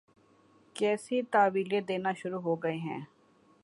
کیسی تاویلیں دینا شروع ہو گئے ہیں۔